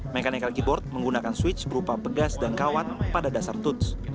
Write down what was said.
mechanical keyboard menggunakan switch berupa pegas dan kawat pada dasar toots